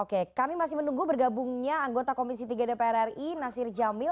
oke kami masih menunggu bergabungnya anggota komisi tiga dprri nasir jamil